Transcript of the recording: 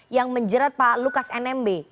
yang menjerat pak lukas nmb